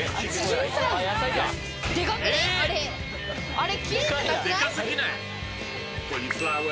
あれ。